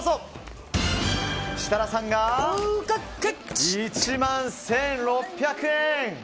設楽さんが１万１６００円。